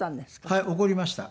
はい起こりました。